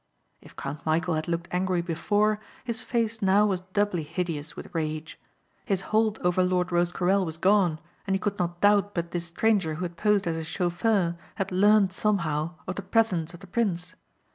If Count Michæl had looked angry before his face now was doubly hideous with rage. His hold over Lord Rosecarrel was gone and he could not doubt but this stranger who had posed as a chauffeur had learned somehow of the presence of the prince.